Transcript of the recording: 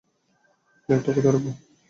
প্লেটটা কোথায় রাখবো?